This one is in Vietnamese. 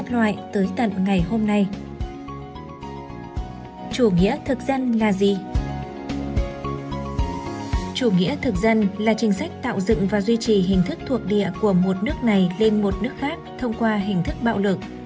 chủ nghĩa thực dân là chính sách tạo dựng và duy trì hình thức thuộc địa của một nước này lên một nước khác thông qua hình thức bạo lực